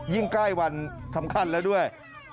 ใกล้วันสำคัญแล้วด้วย